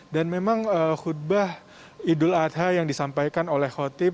dan memang khutbah idul adha yang disampaikan oleh khotib